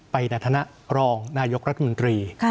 ในฐานะรองนายกรัฐมนตรี